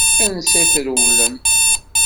Ansa i trewlem?